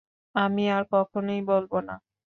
আমি আর কখনোই বলবো না।